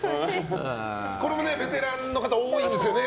これもベテランの方多いんですよね。